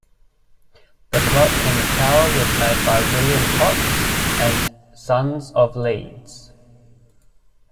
The clock in the tower was made by William Potts and Sons of Leeds.